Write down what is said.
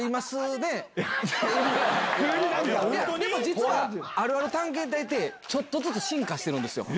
でも実は、あるある探検隊って、ちょっとずつ進化してるんですよ。